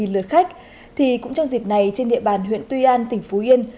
bảy mươi bảy lượt khách thì cũng trong dịp này trên địa bàn huyện tuy an tỉnh phú yên